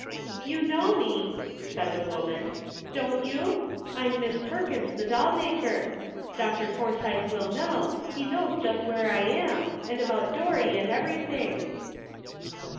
"You know me," said the woman, "don't you? I'm Miss Perkins, the doll maker. Dr. Forsythe will know ; he knows just where I am, and about Dorry, and everything."